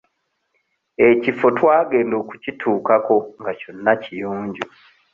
Ekifo twagenda okukituukako nga kyonna kiyonjo.